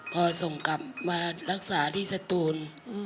พอส่งกลับมารักษาที่สตูน